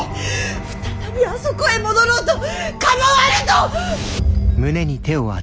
再びあそこへ戻ろうと構わぬと。